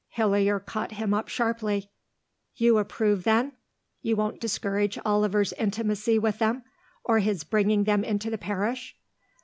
Hillier caught him up sharply. "You approve, then? You won't discourage Oliver's intimacy with them, or his bringing them into the parish?"